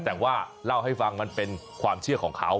แต่ว่าเล่าให้ฟังมันเป็นความเชื่อของเขา